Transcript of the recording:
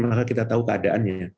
maka kita tahu keadaannya